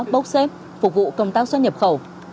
bốc xếp phục vụ công tác xuất nhập khẩu